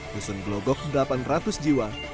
dusun glogok delapan ratus jiwa